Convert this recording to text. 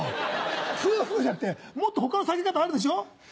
「フゥフゥ」じゃなくてもっと他の下げ方あるでしょ。